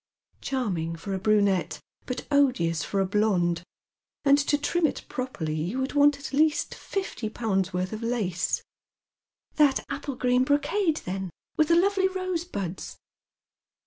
"Charming for a brunette, but odious for a blonde. And to trim it properly you would want at least fifty pounds' worth e£ lace." "That apple green brocade, then, with the lovely rosebuds."